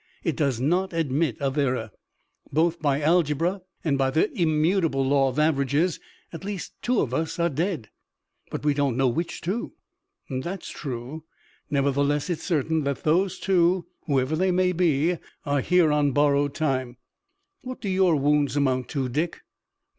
It does not admit of error. Both by algebra and by the immutable law of averages at least two of us are dead." "But we don't know which two." "That's true. Nevertheless it's certain that those two, whoever they may be, are here on borrowed time. What do your wounds amount to, Dick?"